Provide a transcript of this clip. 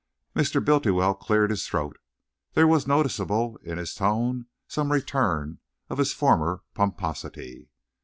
Mr. Bultiwell cleared his throat. There was noticeable in his tone some return of his former pomposity.